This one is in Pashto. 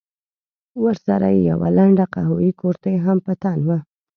ورسره يې يوه لنډه قهويي کورتۍ هم په تن وه.